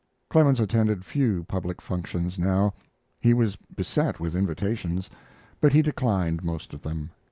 Clemens attended few public functions now. He was beset with invitations, but he declined most of them.